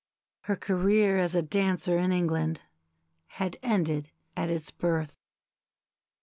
Her career as a dancer, in England, had ended at its birth.